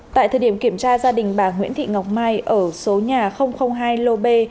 tại thời điểm kiểm tra gia đình bà nguyễn thị ngọc mai ở số nhà hai lô b